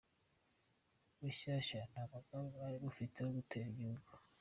Rushyashya:Nta mugambi mwari mufite wo gutera igihugu ?